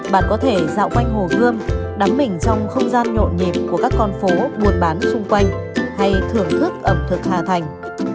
bạn có thể dạo quanh hồ gươm đắm mình trong không gian nhộn nhịp của các con phố buôn bán xung quanh hay thưởng thức ẩm thực hà thành